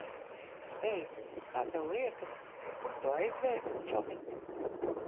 Hei, kā tev liekas, kur tu aizbēgsi, čomiņ?